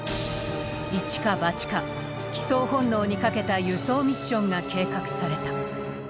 イチかバチか帰巣本能に賭けた輸送ミッションが計画された。